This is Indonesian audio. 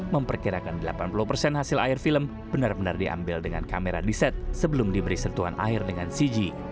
memperkirakan delapan puluh persen hasil air film benar benar diambil dengan kamera di set sebelum diberi sentuhan air dengan cg